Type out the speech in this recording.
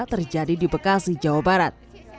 terjadi di bekasi jawa barat